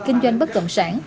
kinh doanh bất động sản